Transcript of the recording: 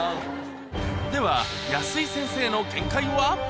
では、安井先生の見解は。